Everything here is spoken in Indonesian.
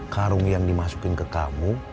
karung yang dimasukin ke kamu